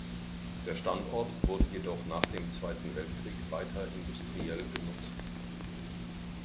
Der Standort wurde jedoch nach dem Zweiten Weltkrieg weiter industriell genutzt.